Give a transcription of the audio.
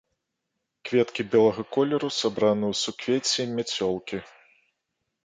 Кветкі белага колеру сабраны ў суквецці-мяцёлкі.